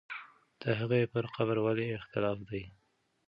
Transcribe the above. د هغې پر قبر ولې اختلاف دی؟